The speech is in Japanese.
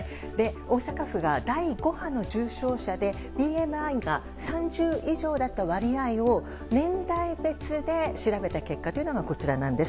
大阪府が第５波の重症者でＢＭＩが３０以上だった割合を年代別で調べた結果がこちらなんです。